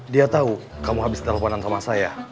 dia tahu kamu habis teleponan sama saya